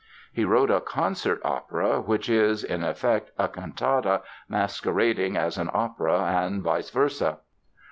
He wrote a "concert opera" which is, in effect, a cantata masquerading as an opera and vice versa.